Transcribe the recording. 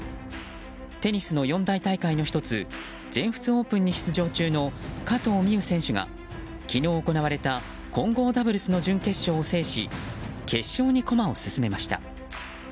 テニスの四大大会の１つ全仏オープンに出場中の加藤未唯選手が昨日、行われた混合ダブルスの準決勝を制し決勝に駒を進めました。